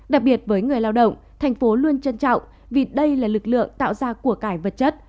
đặc biệt với người lao động thành phố luôn trân trọng vì đây là lực lượng tạo ra của cải vật chất